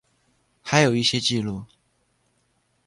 还有一些记录